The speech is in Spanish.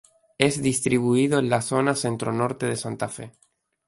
Es distribuido en la zona centro-norte de Santa Fe.